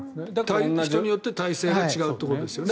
人によって耐性が違うということですよね。